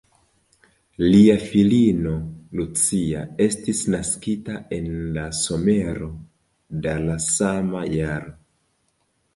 Lia filino Lucia estis naskita en la somero da la sama jaro.